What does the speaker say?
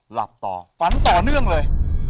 หลับต่อฝันต่อเนื่องเลย